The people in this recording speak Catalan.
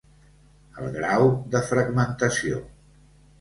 El grau de fragmentació.